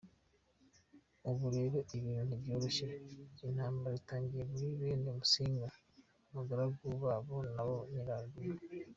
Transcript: Ubu rero ibintu ntibyoroshye, intambara itangiriye muri bene Musinga, abagaragu babo na ba nyirarume.